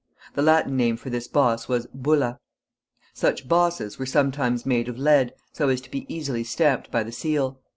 The Latin name for this boss was bulla. Such bosses were sometimes made of lead, so as to be easily stamped by the seal.